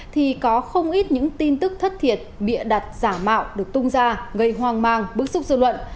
thì có không ít những tin tức thất thiệt bịa đặt giả mạo được tung ra gây hoang mang bức xúc dư luận